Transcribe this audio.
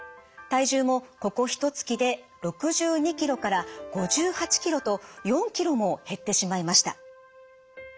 体重もここひとつきで６２キロから５８キロと４キロも減ってしまいました。